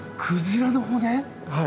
はい。